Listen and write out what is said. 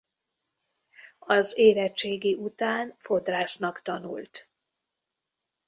Az érettségi után fodrásznak tanult.